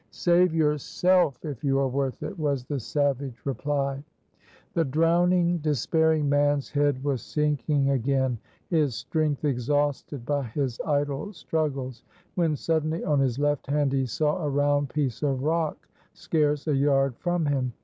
"Save yourself! if you are worth it!" was the savage reply. The drowning, despairing man's head was sinking again, his strength exhausted by his idle struggles, when suddenly on his left hand he saw a round piece of rock scarce a yard from him.